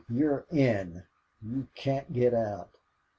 You're in. You can't get out.